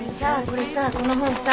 これさこの本さ。